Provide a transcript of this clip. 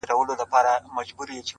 پر وظیفه عسکر ولاړ دی تلاوت کوي ـ